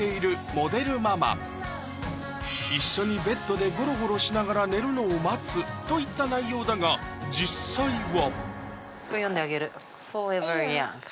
モデルママ一緒にベッドでゴロゴロしながら寝るのを待つといった内容だが実際は？